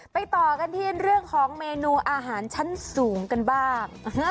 ต่อกันที่เรื่องของเมนูอาหารชั้นสูงกันบ้าง